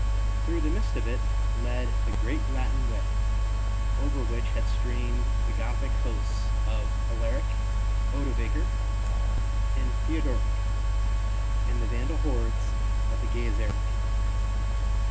Through the midst of it led the great Latin Way, over which had streamed the Gothic hosts of Alaric, Odovaker, and Theodoric, and the Vandal hordes of Gaiseric.